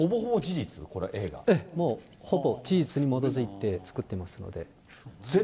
ええ、もう、ほぼ事実に基づいて作ってますので。